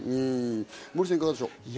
モーリーさん、いかがでしょう？